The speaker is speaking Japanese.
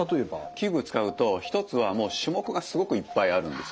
器具使うと一つはもう種目がすごくいっぱいあるんですよ。